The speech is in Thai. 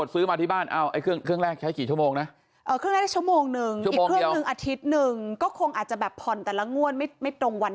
สือ๒เครื่องด้วยผมซื้อ๒เครื่องด้วย